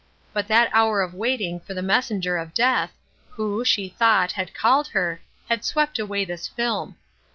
But that hour of waiting for the messenger of death, who, she thought, had called her, had swept away this film.